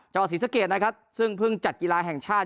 ศรีสะเกดนะครับซึ่งเพิ่งจัดกีฬาแห่งชาติ